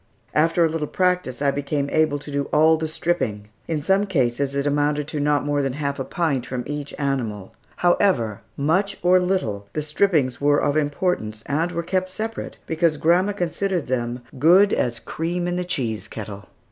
After a little practice I became able to do all the "stripping." In some cases it amounted to not more than half a pint from each animal. However, much or little, the strippings were of importance, and were kept separate, because grandma considered them "good as cream in the cheese kettle."